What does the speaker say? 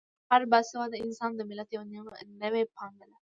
هر با سواده انسان د ملت یوه نوې پانګه ده.